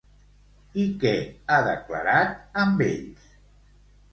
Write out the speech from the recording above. I què ha declarat amb ells?